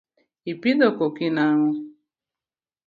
Ipidho koki nang’o?